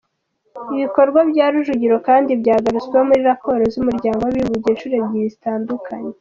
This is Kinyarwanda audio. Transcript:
Ibikorwa bya Rujugiro kandi byagarutsweho muri raporo z’umuryango w’abibumbye inshuro ebyiri zitandukanye.